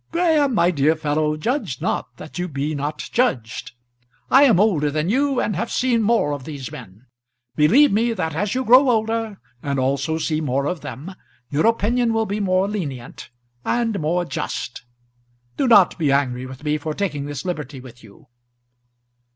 "Graham, my dear fellow, judge not that you be not judged. I am older than you, and have seen more of these men. Believe me that as you grow older and also see more of them, your opinion will be more lenient, and more just. Do not be angry with me for taking this liberty with you."